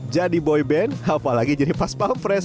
jadi boy band apalagi jadi paspapres